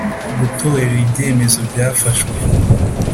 gutorera ibyemezo byafashwe